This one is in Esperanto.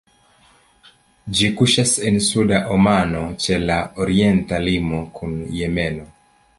Ĝi kuŝas en Suda Omano, ĉe la orienta limo kun Jemeno.